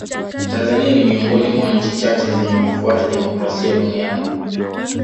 tanzania ni miongoni mwa nchi chache zenye kufuata demokrasia duniani